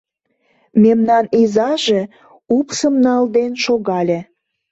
Мемнан изаже упшым налден шогале.